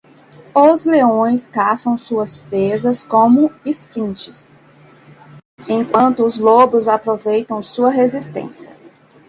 Os leões caçam suas presas com sprints?, enquanto os lobos aproveitam sua resistência.